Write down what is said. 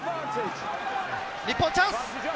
日本、チャンス。